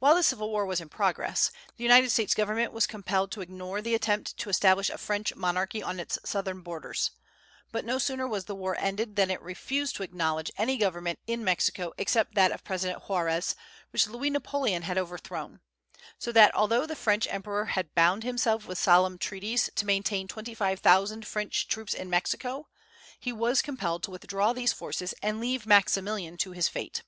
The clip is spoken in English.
While the civil war was in progress the United States government was compelled to ignore the attempt to establish a French monarchy on its southern borders; but no sooner was the war ended than it refused to acknowledge any government in Mexico except that of President Juarez, which Louis Napoleon had overthrown; so that although the French emperor had bound himself with solemn treaties to maintain twenty five thousand French troops in Mexico, he was compelled to withdraw these forces and leave Maximilian to his fate.